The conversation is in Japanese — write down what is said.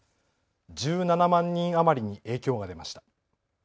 １７万人余りに影響が出ました。